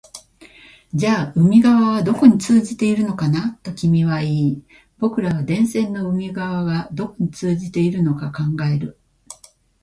じゃあ海側はどこに通じているのかな、と君は言い、僕らは電線の海側がどこに通じているのか考える